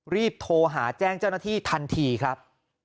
รีบโทรหาแจ้งเจ้าหน้าที่ทันทีครับ